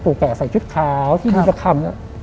กุแก่ใส่ชุดขาวที่ดูเมื่อคำ